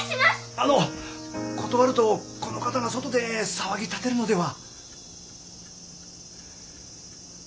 あの断るとこの方が外で騒ぎ立てるのでは。